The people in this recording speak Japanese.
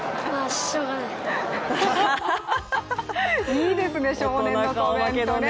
いいですね、少年のコメントね。